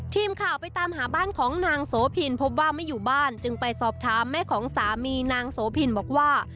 ทีมข่าวไปตามหาบ้านของนางโสพินพบว่าไม่อยู่บ้านจึงไปสอบถามแม่ของสามีนางโสพินบอกว่า